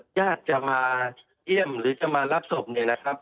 ญาติจะมาเยี่ยมหรือจะมารับศพเนี่ยนะครับ